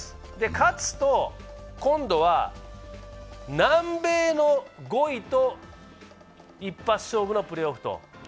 勝つと今度は南米の５位と一発勝負のプレーオフと。